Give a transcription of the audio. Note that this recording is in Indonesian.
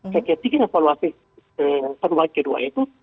saya kira kira evaluasi perubahan k dua itu